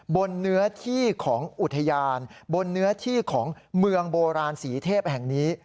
บนเนื้อที่ของอุทยานบนเนื้อที่ของเมืองโบราณศรีเทพแห่งนี้